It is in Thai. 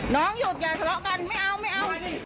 น้องหยุดอย่าสละกันไม่เอาไม่เอา